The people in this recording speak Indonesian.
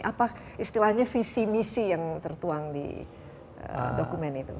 apa istilahnya visi misi yang tertuang di dokumen itu